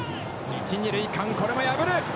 一・二塁間、これも破る！